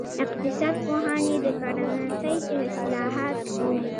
اقتصاد پوهان یې د کرنسۍ اصلاحات بولي.